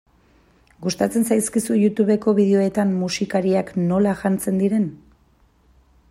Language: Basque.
Gustatzen zaizkizu Youtubeko bideoetan musikariak nola janzten diren?